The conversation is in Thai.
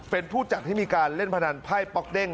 เป็นผู้จัดให้มีการเล่นพนันไพ่ป๊อกเด้ง